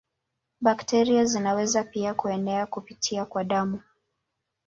Bakteria zinaweza pia kuenea kupitia kwa damu.